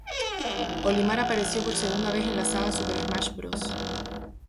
Olimar apareció por segunda vez en la saga Super Smash Bros.